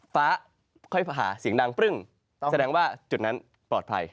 ฟ้าค่อยผ่าเสียงดังปรึ้งแสดงว่าจุดนั้นปลอดภัย